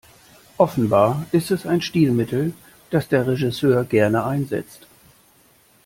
Offenbar ist es ein Stilmittel, das der Regisseur gerne einsetzt.